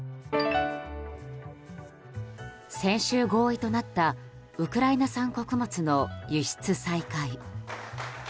先週合意となったウクライナ産穀物の輸出再開。